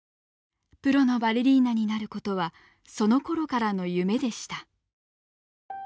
プロのバレリーナになることはそのころからの夢でした。